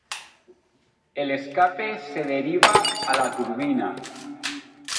El escape se deriva a la turbina.